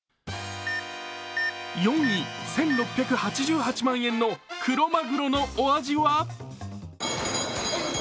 ４位、１６８８万円のクロマグロのお味は？